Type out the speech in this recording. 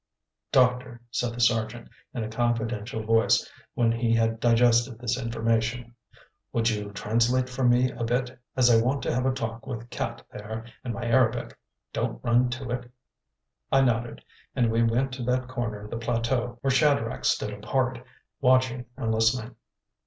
"Doctor," said the Sergeant, in a confidential voice, when he had digested this information, "would you translate for me a bit, as I want to have a talk with Cat there, and my Arabic don't run to it?" I nodded, and we went to that corner of the plateau where Shadrach stood apart, watching and listening.